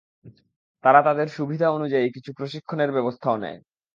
তারা তাদের সুবিধা অনুযায়ী কিছু প্রশিক্ষণের ব্যবস্থাও নেয়।